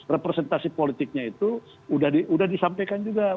representasi politiknya itu sudah disampaikan juga